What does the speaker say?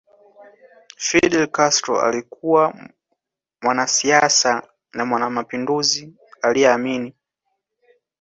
Fidel Castro alikuwa mwanasiasa na mwanamapinduzi aliyeamini